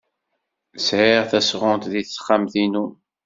Sɛiɣ tasɣunt deg texxamt-inu.